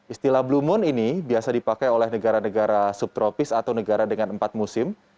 istilah blue moon ini biasa dipakai oleh negara negara subtropis atau negara dengan empat musim